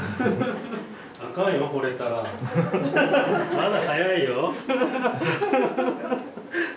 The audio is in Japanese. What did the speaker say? まだ早いよ。